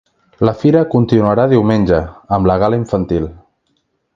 La fira continuarà diumenge, amb la gala infantil.